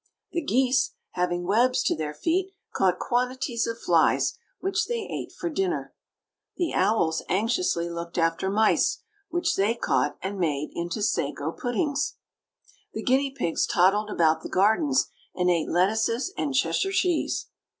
The geese, having webs to their feet, caught quantities of flies, which they ate for dinner. The owls anxiously looked after mice, which they caught and made into sago puddings. The guinea pigs toddled about the gardens, and ate lettuces and Cheshire cheese.